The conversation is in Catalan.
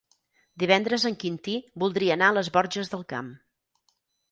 Divendres en Quintí voldria anar a les Borges del Camp.